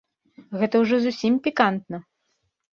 Гэта ўжо зусім пікантна!